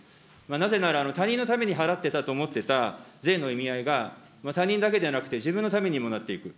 なぜなら、他人のために払ってたと思っていた税の意味合いが、他人だけじゃなくて、自分のためにもなっていく。